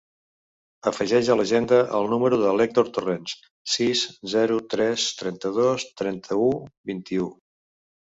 Afegeix a l'agenda el número de l'Hèctor Torrents: sis, zero, tres, trenta-dos, trenta-u, vint-i-u.